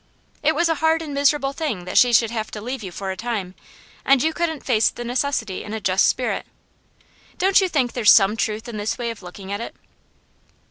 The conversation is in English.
It was a hard and miserable thing that she should have to leave you for a time, and you couldn't face the necessity in a just spirit. Don't you think there's some truth in this way of looking at it?